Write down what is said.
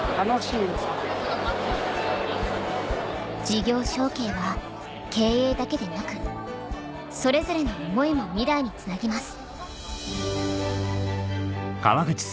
事業承継は経営だけでなくそれぞれの思いも未来につなぎます